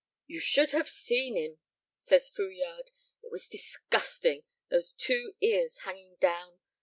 "You should have seen him," says Fouillade, "it was disgusting, those two ears hanging down.